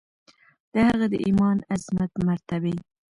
د هغه د ایمان، عظمت، مرتبې